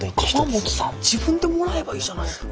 鎌本さん自分でもらえばいいじゃないすか。